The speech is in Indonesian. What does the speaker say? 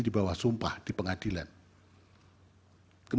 dia juga lemah mempertawainya